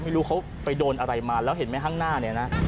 ไม่รู้เขาไปโดนอะไรมาแล้วเห็นไหมข้างหน้าเนี่ยนะ